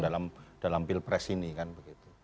dalam dalam pil pres ini kan begitu